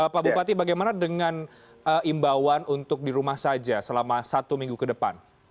pak bupati bagaimana dengan imbauan untuk di rumah saja selama satu minggu ke depan